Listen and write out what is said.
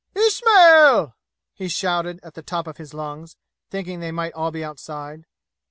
"Ismail!" he shouted at the top of his lungs, thinking they might all be outside.